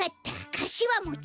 かしわもち！